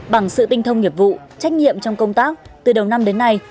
bằng sự tinh thông nghiệp vụ trách nhiệm trong công tác từ đầu năm đến nay